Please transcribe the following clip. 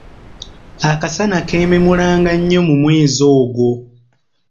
Akasana keememulanga nnyo mu mwezi ogwo.